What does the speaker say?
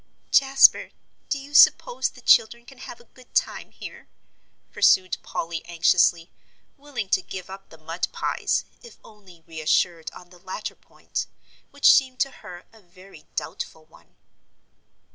"Jasper, do you suppose the children can have a good time here?" pursued Polly, anxiously, willing to give up the mud pies, if only reassured on the latter point, which seemed to her a very doubtful one.